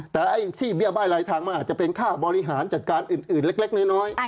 แต่ที่ไว้ทางมาอาจจะเป็นค่ามีบริหารจัดการอื่นเล็กน้อย